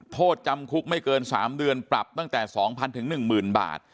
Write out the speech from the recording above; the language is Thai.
โทษจำคุกไม่เกิน๓เดือนปรับตั้งแต่๒๐๐๑๐๐๐บาท